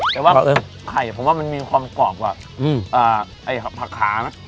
แต่ว่าไข่ผมมันมีความกรอบกว่าอืมอ่าไอสันผักขานะ